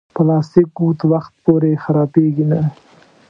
پلاستيک اوږد وخت پورې خرابېږي نه.